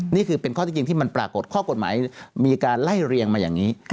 นี่คือเป็นข้อที่จริงที่มันปรากฏข้อกฎหมายมีการไล่เรียงมาอย่างนี้